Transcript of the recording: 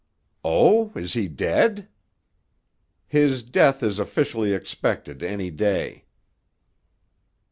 "Oh! Is he dead?" "His death is officially expected any day."